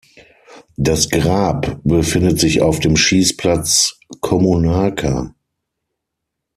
Das Grab befindet sich auf dem Schießplatz Kommunarka.